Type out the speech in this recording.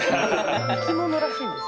生き物らしいんです。